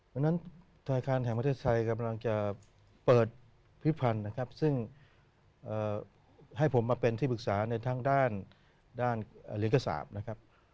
เพราะฉะนั้นธนาคารแห่งประเทศไทยกำลังจะเปิดพิพันธ์นะครับซึ่งให้ผมมาเป็นที่ปรึกษาในทางด้านเหรียญกษาปนะครับ